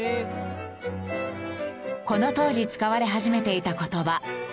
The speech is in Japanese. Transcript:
この当時使われ始めていた言葉。